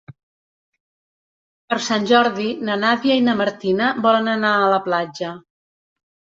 Per Sant Jordi na Nàdia i na Martina volen anar a la platja.